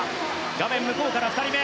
画面向こうから２人目。